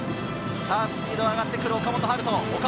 スピードが上がってくる岡本温叶。